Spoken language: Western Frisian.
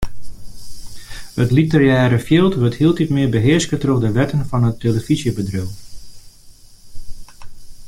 It literêre fjild wurdt hieltyd mear behearske troch de wetten fan it telefyzjebedriuw.